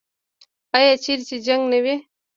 آیا چیرې چې جنګ نه وي؟